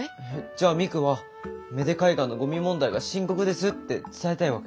じゃミクは芽出海岸のゴミ問題が深刻ですって伝えたいわけ？